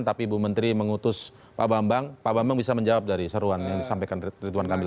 tapi ibu menteri mengutus pak bambang pak bambang bisa menjawab dari seruan yang disampaikan ridwan kamil